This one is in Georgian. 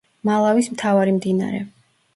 მალავის მთავარი მდინარე.